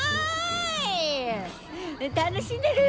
楽しんでる？